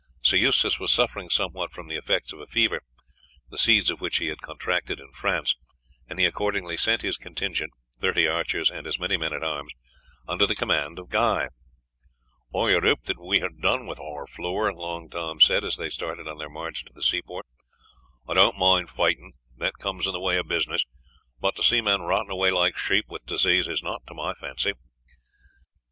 Sir Eustace was suffering somewhat from the effects of a fever, the seeds of which he had contracted in France, and he accordingly sent his contingent, thirty archers and as many men at arms, under the command of Guy. "I had hoped that we had done with Harfleur," Long Tom said as they started on their march to the seaport. "I don't mind fighting, that comes in the way of business, but to see men rotting away like sheep with disease is not to my fancy."